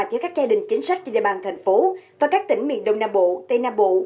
cho các gia đình chính sách trên địa bàn tp hcm và các tỉnh miền đông nam bộ tây nam bộ